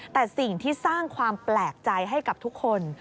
แต่สิ่งที่สร้างความแปลกใจให้กับทุกคน